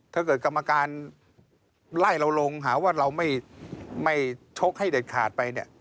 ถ้าเกิดกรรมการไล่เราลงหาว่าเราไม่ชกให้เด็ดขาดไป